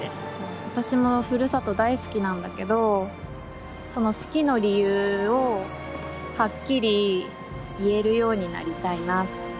私もふるさと大好きなんだけどその好きの理由をはっきり言えるようになりたいなって。